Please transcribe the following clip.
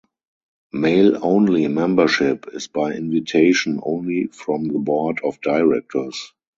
Male-only membership is by invitation only from the board of directors.